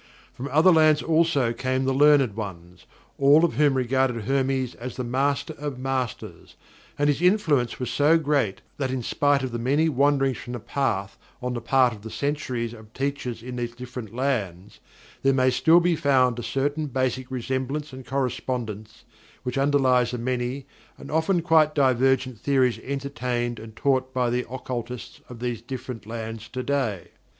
From other lands also came the learned ones, all of whom regarded Hermes as the Master of Masters, and his influence was so great that in spite of the many wanderings from the path on the part of the centuries of teachers in these different lands, there may still be found a certain basic resemblance and correspondence which underlies the many and often quite divergent theories entertained and taught by the occultists of these different lands today.